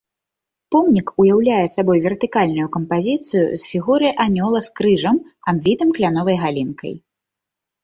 Помнік уяўляе сабой вертыкальную кампазіцыю з фігурай анёла з крыжам, абвітым кляновай галінкай.